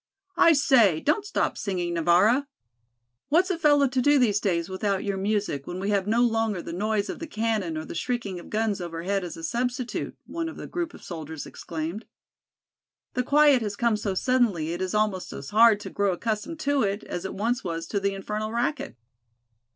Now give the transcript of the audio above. "I say don't stop singing, Navara. What's a fellow to do these days without your music, when we have no longer the noise of the cannon or the shrieking of guns overhead as a substitute?" one of the group of soldiers exclaimed. "The quiet has come so suddenly it is almost as hard to grow accustomed to it, as it once was to the infernal racket."